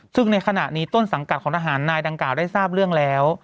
ซึ่งในขณะนี้ต้นสังกัดของทหารนายดังกล่าวได้ทราบเรื่องแล้ว